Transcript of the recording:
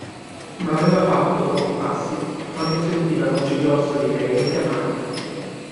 Ma aveva fatto pochi passi quando sentì la voce grossa di lei richiamarlo.